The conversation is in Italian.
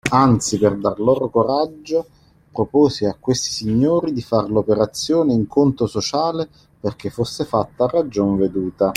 Anzi, per dar loro coraggio, proposi a questi Signori di far l’operazione in conto sociale e perché fosse fatta a ragion veduta.